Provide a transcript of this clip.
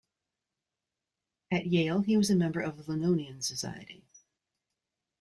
At Yale he was a member of the Linonian Society.